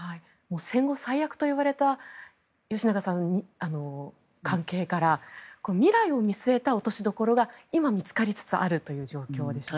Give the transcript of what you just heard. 戦後最悪といわれた関係から、吉永さん未来を見据えた落としどころが今、見つかりつつあるという状況でしょうか。